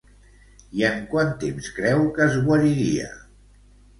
I en quant temps creu que es guariria?